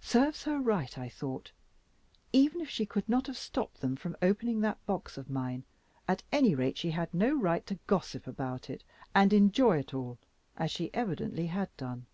"Serves her right," I thought. Even if she could not have stopped them from opening that box of mine, at any rate she had no right to gossip about it, and enjoy it all, as she evidently had done.